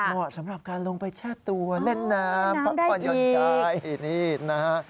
เหมาะสำหรับการลงไปแช่ตัวเล่นน้ำพักผ่อนหย่อนใจนี่นะฮะ